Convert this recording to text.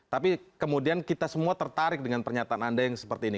tapi kemudian kita semua tertarik dengan pernyataan anda yang seperti ini